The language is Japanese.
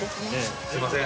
すいません。